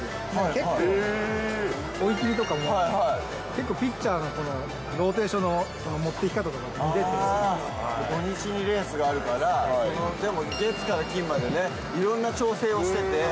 結構、追い切りとかも、結構ピッチャーのローテーションの持っていき方とか、出てくるん土日にレースがあるから、でも月から金までね、いろんな調整をしてて。